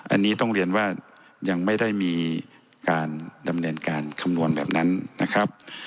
อันนี้ต้องเรียนว่ายังไม่ได้มีการดำเนินการคำนวณแบบนั้นนะครับ